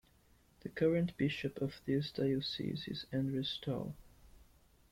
The current bishop of this diocese is Andres Taul.